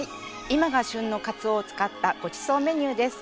今が旬のかつおを使ったごちそうメニューです。